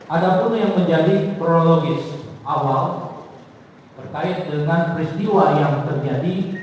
ada pun yang menjadi kronologis awal berkait dengan peristiwa yang terjadi